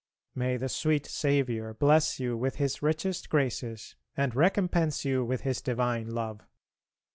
May the sweet Saviour bless you with His richest graces and recompense you with His divine love.